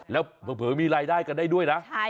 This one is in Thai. แล้วเผลอมีรายได้กันได้ด้วยนะ